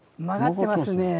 曲がってますね。